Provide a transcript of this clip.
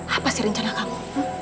apa sih rencana kamu